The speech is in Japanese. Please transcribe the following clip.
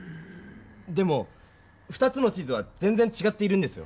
でも２つの地図は全ぜんちがっているんですよ。